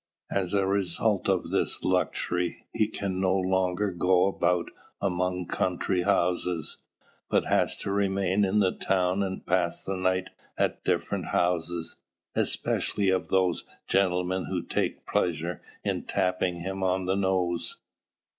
As a result of this luxury, he can no longer go about among the country houses, but has to remain in the town and pass the night at different houses, especially of those gentlemen who take pleasure in tapping him on the nose.